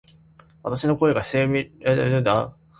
わたし（の声）が明瞭に聞こえますか？